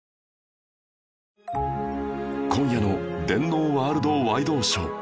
今夜の『電脳ワールドワイ動ショー』